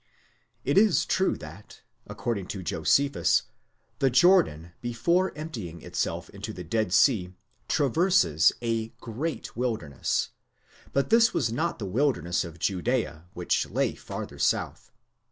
It is true that, according to Josephus, the Jordan before emptying itself into. the Dead Sea traverses a great wilderness, πολλὴν épnpiay,® but this was not the wilderness of Judea, which lay farther south.